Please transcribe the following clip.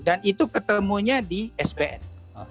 dan itu ketemunya di sbn